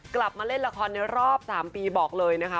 กลับมาเล่นละครในรอบ๓ปีบอกเลยนะคะ